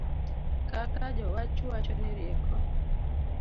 Kaka jowach wacho ni rieko